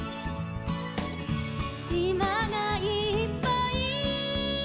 「しまがいっぱい」